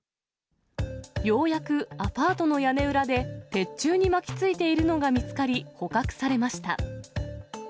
ようやくアパートの屋根裏で、鉄柱に巻きついているのが見つかり、捕獲されました。